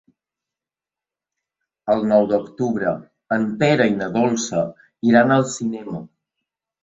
El nou d'octubre en Pere i na Dolça iran al cinema.